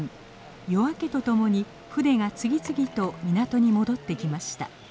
夜明けとともに船が次々と港に戻ってきました。